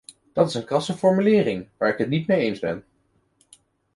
Dat is een krasse formulering, waar ik het niet mee eens ben.